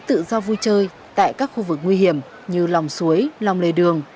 tự do vui chơi tại các khu vực nguy hiểm như lòng suối lòng lề đường